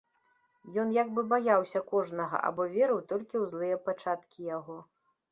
Ён як бы баяўся кожнага або верыў толькі ў злыя пачаткі яго.